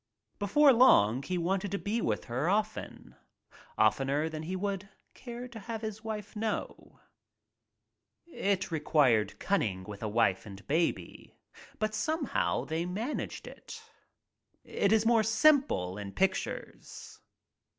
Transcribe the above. Before long he wanted to be with her often — oftener than he would care to have his wife know. It required cunning with a wife and baby but somehow they managed it. It is more simple — in pictures.